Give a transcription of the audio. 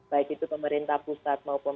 baik itu pemerintah pusat maupun